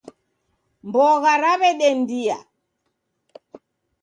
Mbogha raw'edendia